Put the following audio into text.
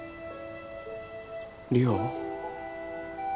梨央？